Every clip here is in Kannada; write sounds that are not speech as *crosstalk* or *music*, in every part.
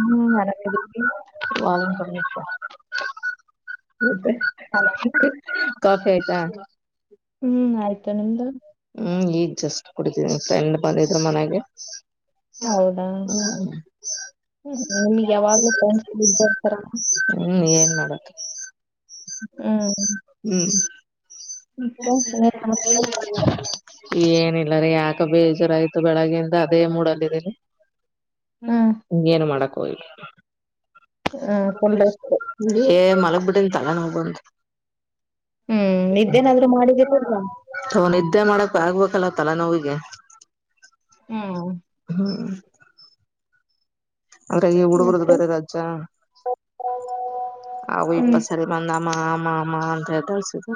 ಹ್ಮ್ ಆರಾಮ ವಾಾಲ ಕಫತಾ ಹ್ಮ್ ಆಯ್ತು ನಿಮ್ದು ಹ್ಮ್ ಈಜಷ್ಟ ಕುಡಿತಿ ಫ್ರೆಂಡ್ ಬಂದಿದ್ರ ಮನೆಗೆ ಹೌದಾ ನಿಮಗ್ ಯಾವಾಗ್ಲೂ ಫ್ರೆಂಡ್ಸ್ ಇದ್ದೇ ಇರ್ತಾರ ಎನ ಮಾಡ ಹ್ಮ್ ಹ್ಮ್ ಮತ್ತೆ ಇನ್ನೇನ್ ಸಮಾಚಾರ? *unintelligible* ಏನಿಲ್ಲ ರೀ ಯಾಕ ಬೇಜುರ್ಾಯ್ತು ಬೆಳಗ್ಗೆಿಂದ ಅದೇ ಮೂಡಲ್ಲ ಇದೀರಿ ಹ್ಮ ಹ್ಮ್ ಹಂಗ ಏನು ಮಾಡಕ್ ಹೋಗವಿ ಹ್ಮ್ ಫುಲ್ ರೆಸ್ಟ್ ೇ ಮಲಗ್ ಬಿಿಟ್ಟನ್ ತಲೆನ ಹೋಗಬಂತ ಹ್ಮ್ ಇದೇನಾದ್ರೂ ಮಾಡಿದ್ದಲ್ ಲತ್ತಲ್ಲ ನೋಿಗೆ ಹ್ಮ್ ಹ್ಮ್ ಅಂದ್ರಾಗಿ ಹುಡುಗರದು ಮತ್ತೆ ಬೇರೆ ರಾಜ್ಯ ಅವು ಇಪ್ಪ ಹ್ಮ್ ಸರಿ ಬಂದ ಅಮ್ಮ ಆ ಅಮ್ಮ ಅಂತ ಹೇಳ್ತಳ್ಸುದು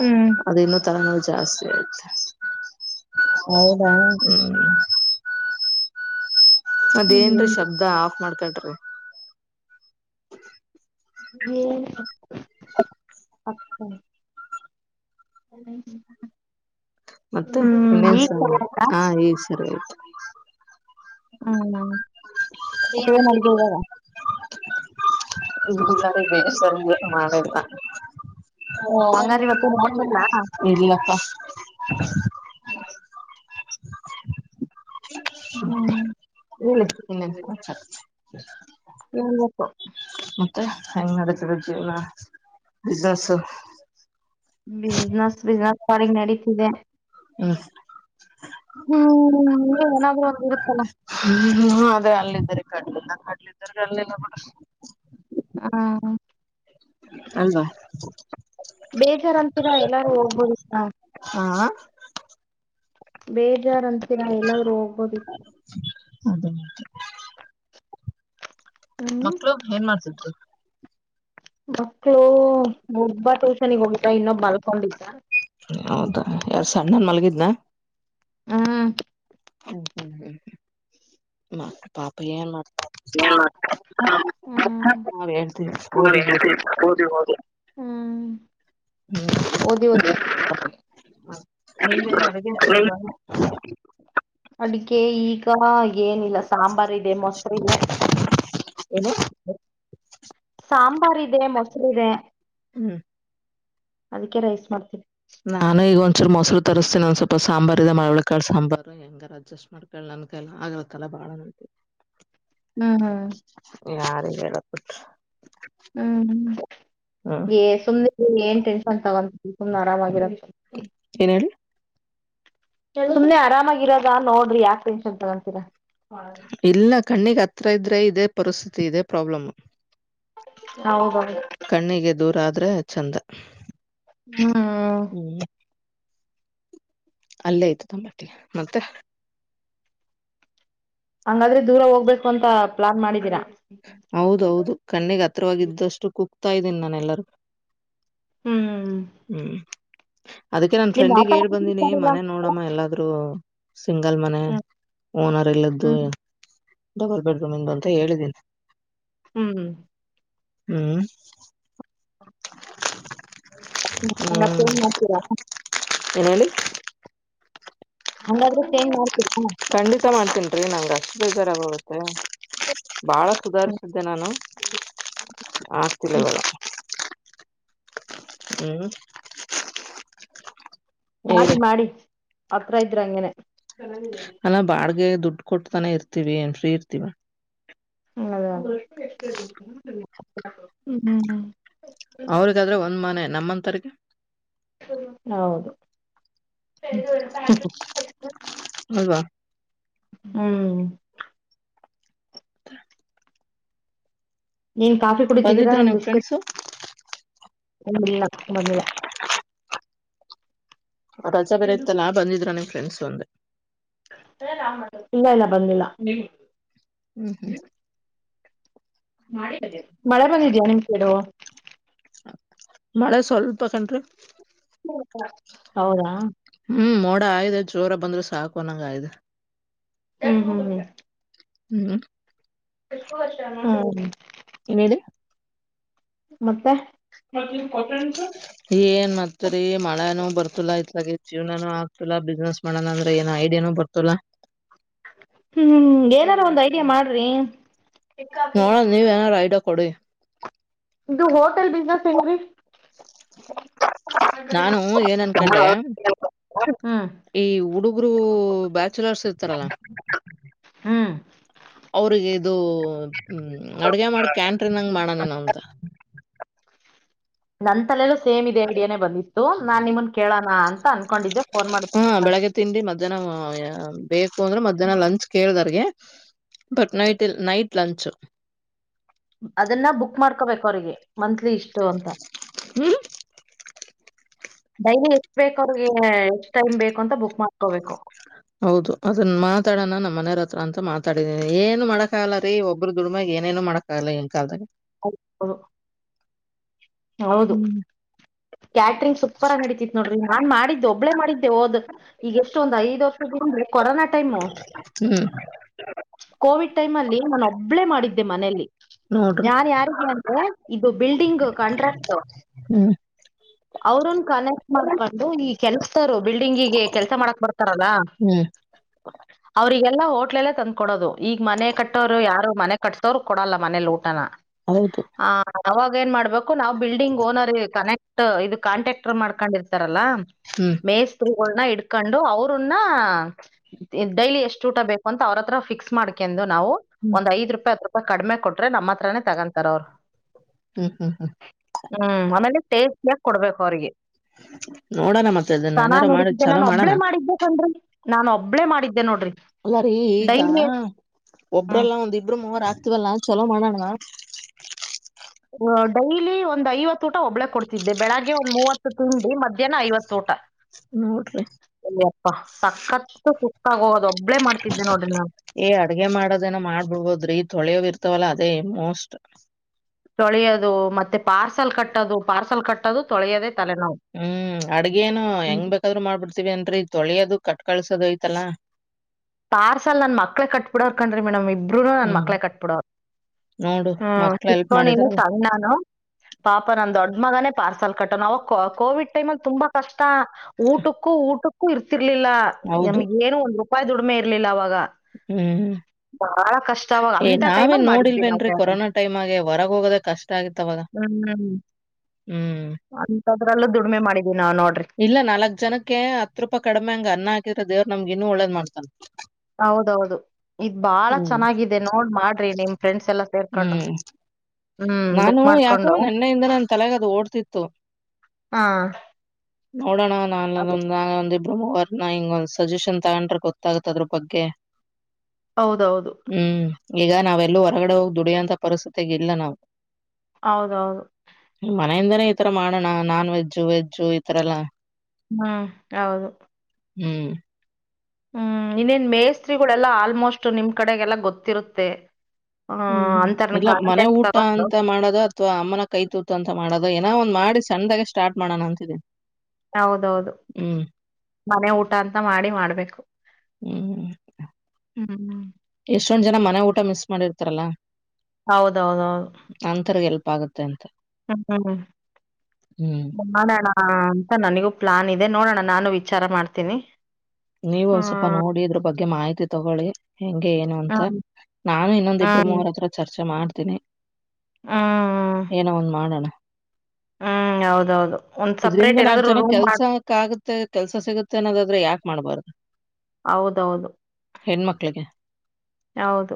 ಹ್ಮ್ ಅದ ಇನ್ನೂ ತರನೋ ಜಾಸ್ತಿ ಆಯತ ಹೌದಾ ಹ್ಮ್ ಅದ್ೇಏನ್ರೀ ಹ್ಮ್ ಶಬ್ದ ಆಫ್ ಮಾಡ್ಕಳ್ರಿ ಹ್ಮ ಅ ಹ್ಮ್ ಹ್ಮ್ ಮತ್ತೆ ಈಗ ಇನ್ನೇನ್ಸರಿ ಸರಿ ಆಯ್ತಾ ಹ ಈ ಸರಿ ಆಯ್ತು ಹ್ಮ್ ಏನ ಮತ್ತೇನ್ ಅಡ್ಗೆ ಇವಾಗ ಇ ಬೇ ಸರಿ ಮಾಡತ ಓ ಹಂಗಾರ ಇವತ್ತು ನೋಡ್ಸಲ್ಲ ಹೇಳಲ್ಲಿಗಪ್ಪ ಹೇಳಿ ಇನ್ನನ್ ಎಪ್ಪ ಮತ್ತ ಹೆಂಗ್ ನಡತದೆ ಜೀವನ ವಿದಾಸು ಬಿಸ್ನೆಸ್ ಬಿಸ್ನೆಸ್ ಸಾರಿಗ್ ನಡೀತಿದೆ ಹ್ಮ ಹ್ಮ್ ನೀಏನಾದೂ ಗೊತ್ತಲ್ಲ ಕಡ್ಲೆಲ್ಲ ಕಡ್ಲಿದ್ರ ಅಲ್ಲಲ್ಲ ಬಿಡ್ರ ಹಾ ಅಲ್ವಾ ಬೇಜಾರಂತರ ಎಲ್ಲಾರು ಹೋಗ್ಬೋದು ಹಾ ಬೇಜಾರಂತ ಮಲ್ಲಾದರುೂ ಹೋಗ್ಬೋದಿತ್ತು ಅದೇದೇ ಹ್ಮ್ ಮಕ್ಳು ಏನ್ ಮಾಡ್ತಿದ್ರು ಮಕ್ಳು ಒಬ್ಬತ್ತುೋಷನಗ್ ಹೋಗತ ಇನ್ನೊಬ್ ಬಲ್ಕೊಂಡಿದ್ದ ಹೌದಾ ಯಾರ್ ಸಣ್ಣನ್ ಮಲಗಿದ್ನ ಹ್ಮ್ ಹ್ಮ್ ಹ್ಮ್ ಹ್ಮ್ ಹ್ಮ್ ಮ ಪಾಪ ಏನ್ ಮಾಡ್ತ ಎ ನಾವ್ ಹೇಳ್ತೀವಿ ಓದಿ ಓದಿ ಹದು ಹೌದು ಹ್ಮ್ ಓದಿ ಓದಿ ಹ್ಮ್ ಹ ನಿೇಗೆ ಅಡಿಕೆ ಈಗ ಏನಿಲ್ಲ ಸಾಂಬಾರ್ ಇದೆ ಮೊಸರು ಇದೆ ಏನು ಸಾಂಬಾರ್ ಇದೆ ಮೊಸರು ಇದೆ ಹ್ಮ್ ಅದಕ್ಕೆ ರೈಸ್ ಮಾಡ್ತೀವಿ ನಾನು ಈಗ ಒಂದಚೂರುೊಸರು ತರಿಸಸ್ತೀನ ಒಂದ ಸ್ವಲ್ಪ ಸಾಂಬಾರಾರ್ ಇದೆ ಮಳವಳಕಾಳ ಸಾಂಬಾರ್ು ಹೆಂಗಾರ ಅಡ್ಜಸ್ಟ್ ಮಾಡ್ಕ ನನ್ಕಲ್ಲ ಆಗ್ಲತ್ತಲ್ಲ ಬಾಳ ನಂತ ಹ್ಮ್ ಯಾರ ಹೇಳ ಪಟ ಹ್ಮ್ ಹ್ಮ ಸುಮ್ನೆ ಏನ್ ಟೆನ್ಷನ್ ತಗೊ ಸುಮ್ನೆ ಆರಾಮಾಗಿರ *unintelligible* ಸುಮ್ನೆ ಆರಾಮಾಗಿ ಇರದ ನೋಡ್ರಿ ಯಾಕೆ ಟೆನ್ಷನ್ ತಗೊಂತೀರಾ ಇಲ್ಲ ಕಣ್ಣಿಗೆ ಹತ್ರ ಇದ್ರೆ ಇದೇ ಪರಿಸ್ಥಿತಿ ಇದೆ ಪ್ರಾಬ್ಲಮ ಹೌದೌದು ಕಣ್ಣಿಗೆ ದೂರಾದ್ರೆ ಚಂದ ಹ್ಮ ಹ್ಮ್ ಅಲ್ಲೇ ಐ್ತ ತಂಬಾಟ್ಟಿ ಮತ್ತೆ ಹಂಗಾದ್ರೆ ದೂರ ಹೋಗ್ಬೇಕು ಅಂತ ಪ್ಲಾನ್ ಮಾಡಿದೀರಾ ಹೌದೌದು ಕಣ್ಣಿಗೆ ಹತ್ರವಾಗಿದ್ದಷ್ಟು ಕುೂಗ್ತಾ ಇದ್ದೀನಿ ನಾನೆಲ್ಲರೂ ಹ್ಮ್ ಅದಕ್ಕೆ ನನ್ ನಿಮ್ ಫ್ರೆಂಡಿಗೆ ಆತರ ಹೇಳ್ ಬಂದೀನಿ ಮನೆ ನೋಡಮ್ಮ ಎಲ್ಲಾದ್ೂ ಸಿಂಗಲ್ ಮನೆ ಹ್ಮ್ ಓನರ್ ಇಲ್ಲದ್ದು ಹ್ಮ್ ಡಬಲ್ ಬೆಡ್ರೂಮ್ ಇಂದು ಅಂತ ಹೇಳಿದೀನಿ ಹ್ಮ್ ಹ್ಮ್ ರ ಏನಡಿ ಹಂಗಾದ್ರೆ ಚೇಂಜ್ ಮಾಡ್ತೀರಿ ಖಂಡಿತ ಮಾಡ್ತೀನಿ ರಿ ನಂ ಅಷ್ಟು ಬೇಜಾರಗೋಗುತ್ತೆ ಬಾಳ ಸುಧಾರಸಿದ್ದೆ ನಾನು ಆಗ್ತಿಲ್ಲ ಬಳ ಹ್ಮ ಮಾಡಿ ಮಾಡಿ ಹತ್ರ ಇದ್ರ ಹಂಗೇನೆ ಅಲ್ಲ ಬಾಡ್ಗೆ ದುಡ್ ಕೊಟ್ಟತಾನ ಇರ್ತಿೀವಿ ಏನ್ ಫ್ರೀ ಇರ್ತೀವ ಹ್ಮ ಅದ ಹ್ಮ ಹ್ಮ್ ಹ್ಮ್ ಅವ್ರಗಾದ್ರೆ ಒಂದ್ ಮನೆ ನಮ್ಮಂತರ ಹೌದು ಅಲ್ವಾ ಹ್ಮ್ ಹ್ಮ ಹ *inaudible* ನೀನ್ ಕಾಫಿ ಕುಡಿತಿದ್ದೀರಾ ಬಂದಿದ್ರ ನಿಮ್ ಬಿಸ್ಕೆಟ್ ಫ್ರೆಂಡ್ಸು ಒಂದಿಲ್ಲ ನಂದಿಲ್ಲ ರಜಾ ಬರಯತ್ತಲ್ಲಾ ಬಂದಿದ್ರ ನನ್ ಫ್ರೆಂಡ್ಸ್ ಒಂದೆ ಇಲ್ಲ ಇಲ್ಲ ಬಂದಿಲ್ಲ ಹ್ಮ್ ಹ್ಮ್ ಮಳೆ ಬಂದಿದ್ಯಾ ನಿಮ್ ಕಡುುವ ಮಳೆ ಸ್ವಲ್ಪಕನ್ರೀ ಹೌದಾ *inaudible* ಕ ಆಯದೆ ಜೋರ ಬಂದ್ರೆ ಸಾಕುನಂಗ ಆಯ್ದೆ ಹ ಹ ಹ್ಮ್ ಹ *inaudible* ನೇದು *inaudible* ಮತ್ತೆ ಏನ್ ಮತ್ರಿ ಮಳೆನೋ ಬರ್ತಲ್ಲಾ ಇಲ ಜೀವನಾನು ಆಗ್ತಲ್ಲಾ ಬಿಸ್ನೆಸ್ ಮಾಡೋಣ ಅಂದ್ರೆ ಏನು ಐಡಿಯಾನು ಬರ್ತಲ್ಲಾ ಹ್ಮ್ ಏನಾರು ಒಂದ್ ಐಡಿಯಾ ಮಾಡ್ರಿ ನೋಡ ನೀವ್ ಏನಾರ ಐಡ ಕೊಡಿ ಇದು ಹೋಟೆಲ್ ಬಿಸ್ನೆಸ್ ಏೀ ನಾನು ಏನ್ ಅನ್ಕಂಡೆ ಹ್ಮ್ ಈ ಹುಡುಗರು ಚಲರ್ಸ ಇರ್ತಾರಲ್ಲ ಹ್ಮ್ *inaudible* ಅವ್ರಿಗೆ ಇದು ಹ್ಮ ಅಡ್ಗೆ ಮಾಡ ಕ್ಯಾಂಟ್ರಿನ್ಂಗ್ ಮಾಡೋ ನಿನ್ ನಂತ *inaudible* ನನ್ ತಲೆೆಲ್ಲೂ ಸೇಮ್ ಇದೆ ಅಂಗಡಿಯಾನನೆ ಬಂದಿ್ತು ನಾನ್ ನಿಮನ್ ಕೇಳೋಣ ಅಂತ ಅನ್ಕೊಂಡಿದ್ದೆ ಫೋನ್ ಮಾಡ ಹಾ ಬೆಳಗ್ಗೆ ತಿಂಡಿ ಮಧ್ಯಾಹ್ನ ಬೇಕು ಅಂದ್ರೆ ಮಧ್ಯಾಹ್ನ ಲಂಚ್ ಕೇಳಿದರ್ಗೆ ಬಟ್ ನೈಟ್ ಇ ನೈಟ್ ಲಂಚ್ ಅದನ್ನ ಬುಕ್ ಮಾಡ್ಕೋಬೇಕು ಅವ್ರಿಗೆ ಮಂತ್ಲಿ ಇಷ್ಟು ಅಂತ ಹ್ಮ್ ಡೈಲಿ ಎಷ್ಟ ಬೇಕ ಅವ್ರಿಗೆ ಎಷ್ಟ್ ಟೈಮ್ ಬೇಕು ಅಂತ ಬುಕ್ ಮಾಡ್ಕೋಬೇಕು ಹೌದು ಅದನ್ ಮಾತಾಡೋಣ ನಮ್ಮ ಮನೆಯರ ಹತ್ರ ಅಂತ ಮಾತಾಡಿದೀನಿ ಏನ್ ಮಾಡಕ್ ಆಗಲ್ಲ ರೀ ಒಬ್ಬರು ದುಡ್ಮ ಏನೇನನು ಮಾಡೋಕ್ಕಾಗಲ್ಲ ಏನ್ ಕಾಲದಾಗ ಹ *inaudible* ಹೌದು ಹ್ಮ್ ಕ್ಯಾಟ್ರಿಂಗ್ ಸೂಪರ್ ಆಗಿ ನಡತಿತ್ ನೋಡ್ರಿ ನಾನ್ ಮಾಡಿದ್ದು ಒಬ್ಳೇ ಮಾಡಿದ ಹೋದ್ ಈಗ ಎಷ್ಟೊಂದ್ ಐದ್ ವರ್ಷದ್ರೆ ಕೊರೋನಾ ಟೈಮು ಹ್ಮ್ ಕೋವಿಡ್ ಟೈಮ್ ಅಲ್ಲಿ ನಾನು ಒಬ್ಳೆ ಮಾಡಿದ್ದೆ ಮನೆಯಲ್ಲಿ ನೋಡ್ರಿ ಯಾನ್ ಯಾರಿಗೆ ಅಂದ್ರೆ ಇದು ಬಿಲ್ಡಿಂಗ್ ಕಾಂಟ್ರಾಕ್ಟ್ ಹ್ಮ್ ಅವ್ರನ್ ಕನೆಕ್ಟ್ ಮಾಡಕೊಂಡು ಈ ಕೆಲ್ಸತಾರ ಬಿಲ್ಡಿಂಗಗೆ ಕೆಲ್ಸ ಮಾಡಕ್ ಬರ ಲ್ಲ ಹ್ಮ್ ಅವ್ರಿಗೆಲ್ಲಾ ಹೋಟ್ಲೆಲ್ಲೇ ತಂದ್ ಕೊಡೋದು ಈಗ ಮನೆ ಕಟ್ಟೋರು ಯಾರು ಮನೆ ಕಟ್ತೋರು ಕೊಡಲ್ಲ ಮನೆ ಲೋಟನ ಹೌದು ಅವಾಗ ಏನ್ ಮಾಡ್ಬೇಕು ನಾವ್ ಬಿಲ್ಡಿಂಗ್ ಓನರ್ ಕನೆಕ್ಟ್ ಇದು ಕಾಂಟ್ಯಾಕ್ಟರ್ ಮಾಡ್ಕೊಂಡಿರ್ತಾರೆ ಲ್ಲ ಹ್ಮ್ ಮೇಸ್ರುಗಳನ್ನ ಇಡ್ಕೊಂಡು ಅವ್ರನ್ನ ಡೈಲಿ ಎಷ್ಟು ಊಟ ಬೇಕು ಅಂತ ಅವ್ರ ಹತ್ರ ಫಿಕ್ಸ್ ಮಾಡ್ಕೊಂಡಂಡ್ ನಾವು ಒಂದ್ಐ್ ರೂಪಾಯಿ ಹತ್ರ ಕಡಿಮೆ ಕೊಟ್ರೆ ನಮ್ಮ ಹತ್ರಾನೇ ತಗೊಂತಾರ ಅವರು ಹ್ಮ್ ಹ್ಮ್ ಹ್ಮ್ ಹ್ಮ್ ಆಮೇಲೆ ಟೇಸ್ಟಿಯಾಗಿ ಕೊಡ್ಬೇಕು ಅವ್ರಿಗೆ ನೋಡೋಣ ಮತ್ತೆ ಅದನ್ನ ಚೆನ್ನ ಏನಾರು ಮಾಡಿ ನಡತಿದ್ದೆ ಚಲೋ ನಾನು ಮಾಡೋಣ ಒಬ್ಳೇ ಮಾಡಿದ್ದೆ ಕಣ್ರೀ ನಾನನ್ ಒಬ್ಬಳೇ ಮಾಡಿದ್ದೆ ನೋಡ್ರಿ ಅದಾರಿೀ ಈಗ ಡೈಲಿ ಹ್ಮ್ ಒಬ್ರಲ್ಲಾ ಒಂದಿಬ್ರು ಮವರ ಆಗ್ತಿವಲ್ಲ ಚಲೋ ಮಾಡಣಣ ಡೈಲಿ ಒಂದ್ ಐವತ್ತು ಊಟ ಒಬ್ಳ ಕೊಡ್ತಿದ್ದೆ ಬೆಳಿಗ್ಗೆ ಒಂದ್ ಮೂವತ್ತು ತಿಂಡಿ ಮಧ್ಯಾಹ್ನ ಐವತ್ತು ಊಟ ನೋಡ್ರಿ ಇಲ್ಲಪ್ಪಾ ಸಕ್ಕತ್ತು ಸುಕ್ಕಾಗೋದ ಒಬ್ಬಳೇ ಮಾಡ್ತಿದ್ದೆ ನೋಡ್ರಿ ನಾ ಏ ಅಡ್ಗೆ ಮಾಡೋದನ ಮಾಡ್ಬಿಡ್ಬೋದ್ರಿ ತೊಳೆಯೋ್ ಇರ್ತವಲ್ಲ ಅದೇ ಮೋಸ್ಟ್ ತೊಳೆಯೋದು ಮತ್ತೆ ಪಾರ್ಸಲ್ ಕಟ್ಟೋದು ಪಾರ್ಸಲ್ ಕಟ್ಟದು ತೊಳೆಯೋದ ಹ್ಮ್ ಅಡ್ಗೇನು ಹೆಂಗ್ ಬೇಕಾದ್ರು ಮಾಡ್ಬಿಡ್ತೀವಿ ಅನ್ರರಿ ತೊಳಿಯೋದು ಕಟ್ ಕಳ್ಸೋದಐತ ಲ್ಲಾ ಪಾರ್ಸಲ್ ನನ್ ಮಕ್ಳೇ ಕಟ್ಬಿಡೋರ್ ಕಣ್ರಿ ಮೇಡಮ್ ಇಬ್ಬರುನು ನನ್ ಹ್ಮ್ ಮಕ್ಳೇ ಕಟ್ಬಿಡವರ್ ನೋಡು ಹ್ಮ್ ಮಕ್ಳ ಹೆಲ್ಪ್ ಸಿಕ್ಕಕೋ ನೀನು ಮಾಡಿದಾರಲ್ಲ ಸಣ ನಾನು ಪಾಪ ನನ್ ದೊಡ್ಡ ಮಗನೇ ಪಾರ್ಸಲ್ ಕಟ್ಟೋಣ ಅವಾಗ ಕೋವಿಡ್ ಟೈಮ ಅಲ್ಲಿ ತುಂಬಾ ಕಷ್ಟ ಊಟಕ್ಕೂ ಊಟಕ್ಕೂ ಇರ್ತಿರ್ಲಿಲ್ಲ ಹೌದು ನಮ್ಗ ಏನು ಒಂದ್ ರೂಪಾಯಿ ದುಡಿಮೆ ಇರ್ಲಿಲ್ಲ ಅವಾಗ ಹ್ಮ್ ಬಹಳ ಕಷ್ಟ ಅವಾಗ ಏ ಅಂತ ಟೈಮಲ್ಲಿ ನಾವೇನ್ ಮಾಡಿದ್ವಿ ನಾವು ನೋಡಿಲ್ವೇನ್ರೀ ಕೊರೋನಾ ಟೈಮ್ ಆಗೆ ಹೊರಗ ಹೋಗೋದ ಕಷ್ಟ ಆಗಿತ್ತವಾಗ ಹ್ಮ್ ಅಂತದ್ರಲ್ಲದುಡ್ ಇಲ್ಲ ನಾಲ್ಕ್ ಜನಕ್ಕೆ ಹತ್ ರೂಪಾಯಿ ಕಡಿಮೆ ಹಂಗ ಅನ್ನ ಹಾಕಿದ್ರ ದೇವ್ರ ನಮ್ಗಿನ್ನು ಒಳ್ಳೇದ್ ಮಾಡ್ತಾನ ಹೌದೌದು ಇದ್ ಬಾಳ ಹ್ಮ್ ಚೆನ್ನಾಗಿದೆ ನೋಡ್ ಮಾಡ್ರಿ ನಿಮ್ ಫ್ರೆಂಡ್ಸ್ ಎಲ್ಲ ಸೇರ್ಕೊಂಡು ಹ್ಮ್ ಹ್ಮ್ ನಾನು ಬುಕ್ ಯಾಕೋ ಮಾಡ್ಕೊಂಡು ನೆನ್ನೆಯಿಂದ ನನ್ನ ತಲೆಗದು ಓಡ್ತಿತ್ತು ಹಾ ನೋಡೋಣ ನಾನ ಮವರ್ನ ಹಿಂಗೊಂದ್ ಸಜೆಷನ್ ತಗೊಂಡ್ರೆ ಗೊತ್ತಾಗತ್ತ ಅದ್ರ ಬಗ್ಗೆ ಹೌದೌದು ಹ್ಮ್ ಈಗ ನಾವೆಲ್ಲೂ ಹೊರಗಡೆ ಹೋಗ್ ದುಡಿಯೋಂತ ಪರಿಸ್ಥಿತಿಗ ಇಲ್ಲ ನಾವು ಹೌದೌದು ಮನೆಯಿಂದನ ತರ ಮಾಡೋಣ ನಾನ್ ವೆಜ್ಜ್ ವೆಜ್ಜು ಈತರ ಎಲ್ಲ ಹ್ಮ್ ಹೌದು ಹ್ಮ್ ಹ್ಮ್ ಇನ್ನೇನ್ ಮೇಯಸ್ತ್ರಿಗಳೆಲ್ಲಾ ಆಲ್ಮೋಸ್ಟ್ ನಿಮ್ ಕಡೆಗೆಲ್ಲ ಗೊತ್ತಿರುತ್ತೆ ಹ ಹ್ಮ್ ಅಂತರ್ನ ಇಲ್ಲ ಮನೆ ಕಾಂಟೆಕ್ಟ್ ಊಟ ತಗೊಂಡು ಅಂತ ಮಾಡೋದು ಅಥವಾ ಅಮ್ಮನ ಕೈ ತೂತ ಅಂತ ಮಾಡೋದು ಅ ಏೋ ಒ್ ಮಾಡಿ ಚಣ್ಣದಾಗ ಸ್ಟಾರ್ಟ್ ಮಾಡೋಣ ಅಂತಿದೆಿ ಹೌದೌದು ಮನೆ ಊಟ ಅಂತ ಮಾಡಿ ಮಾಡ್ಬೇಕು ಹ್ಮ ಹ್ಮ್ ಎಷ್ಟೊಂದ್ ಜನ ಮನೆ ಊಟ ಮಿಸ್ ಮಾಡಿರ್ತಾರಲ್ಲಾ ಹೌದೌದೌದು ತಪ್ಪ ಆಗುತ್ತೆ ಅಂತ ಹ್ಮ್ ಹ್ಮ್ ನೋಡೋಣ ಅಂತ ನನಗೂ ಪ್ಲಾನ್ ಇದೆ ನೋಡೋಣ ನಾನು ವಿಚಾರ ಮಾಡ್ತೀನಿ ನೀವು ಹ್ಮ ಒಂದ್ ಸ್ವಲ್ಪ ನೋಡಿ ಇದ್ರ ಬಗ್ಗೆ ಮಾಹಿತಿ ತಗೊಳ್ಳಿ ಹೆಂಗೆ ಏನು ಅಂತ ಹ್ಮ್ ನಾನು ಇನ್ನೊಂದ ಇಬ್ಬರು ಹ್ಮ್ ಮೂವರ ಹತ್ರ ಚರ್ಚೆ ಮಾಡ್ತೀನಿ ಹ್ಮ್ ಏನ ಒಂದ ಮಾಡೋಣ ಹ್ಮ್ ಹೌದೌದು ಒಂದ್ ಇದ್ರಂದ ಸಪ್ರೇಟ್ ನಾಲ್ಕ್ು ಏನಾದ್ರು ಜನ ರೂಮ್ ಮಾಡ ಕೆಲ್ಸಕ್ಕ ಆಗುತ್ತೆ ಕೆಲ್ಸ ಸಿಗುತ್ತೆ ನ್ನೋದಾದ್ರೆ ಯಾಕೆ ಮಾಡಬಾರ್ದು ಹೌದೌದು ಹೆಣ ಮಕ್ಳಿಗೆ ಹೌದು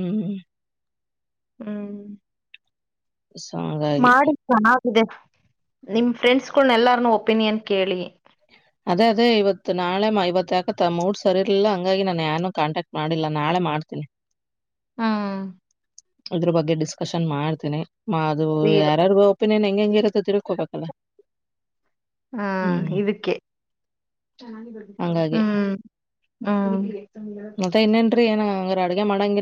ಹ್ಮ್ ಹ್ಮ್ ಸೊ ಹಂಗಾಗಿ ಇದೆ ನಿಮ ಫ್ರೆಂಡ್ಸ್ಗಳನ್ನ ಎಲ್ಲಾರ್ನು ಒಪಿನಿಯನ್ ಕೇಳಿ ಅದೇ ಅದೇ ಇವತ್ ನಾಳೆ ಇವತ್ತ ಯಕ ಮೂಡ್ ಸರಿರ್ಲಿಲ್ಲ ಹಂಗಾಗಿ ನಾನನ್ ಯಏಾನು ಕಾಂಟ್ಯಾಕ್ಟ್ ಮಾಡಿಲ್ಲ ನಾಳೆ ಮಾಡ್ತೀನಿ ಹಾ ಇದ್ರ ಬಗ್ಗೆ ಡಿಸ್ಕಷನ್ ಮಾಡ್ತೀನಿ ಅದು ಯಾರಾರು ಪ್ಪಿನೇನ್ ಹೆಂಗ್ ಹೆಂಗಿರೋದು ತಿಳ್ಕೋಬೇಕಲ್ಲ ಹ್ಮ ಇದಕ್ಕೆ ಹಂಗಾಗಿ ಹ್ಮ್ ಹ್ಮ ಮತ್ತ ಇನ್ನೇನ್ರೀ ಏ ಅಂಗ್ರ ಅಡಗೆ ಮಾಡಂಗಗೆ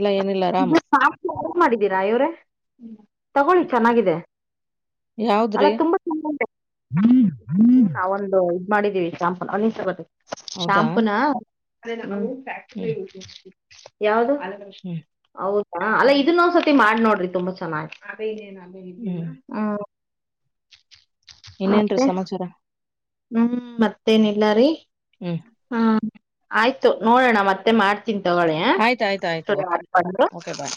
ಮಾಡಿದೀರಾ ಇವ್ರೆ ತಗೊಳ್ಳಿ ಚೆನ್ನಾಗಿದೆ ಅಲ್ಲ ಯಾವದ್ರಿ ತುಂಬಾ ಚ ಇದ್ ಮಾಡಿದೀವಿ ಶಾಂಪೂ ಹೌದಾ ಶಾಂಪೂನಾ ಹ್ಮ್ ಯ ಹ್ಮ್ ಹೌದಾ ಅಲ್ಲ ಇದನ್ನ ಒಂದ್ಸತಿ ಮಾಡಿ ನೋಡ್ರಿ ತುಂಬಾ ಚ ಹ್ಮ್ ಇನ್ನಂದು ಸಮಮಾಚರ ಹ್ಮ್ ಮತ್ತೇನಿಲ್ಲಾರಿೀ ಹ್ಮ್ ಆಯ್ತು ನೋಡೋಣ ಮತ್ತೆ ಮಾಡ್ತ ತಿನ್ ತಗೊಳೆ ಆಯ್ತ ಆಯ್ತ ಆಯ್ತು ಓಕೆ ಬು ಓಕೆ ಬಾಯ್